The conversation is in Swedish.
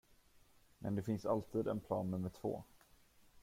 Men det finns alltid en plan nummer två.